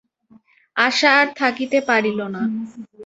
আশা আর থাকিতে পারিল না।